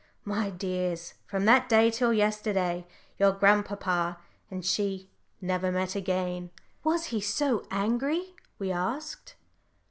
My dears, from that day till yesterday, your grandpapa and she never met again." "Was he so angry?" we asked.